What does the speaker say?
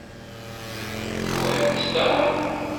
Nwent ta?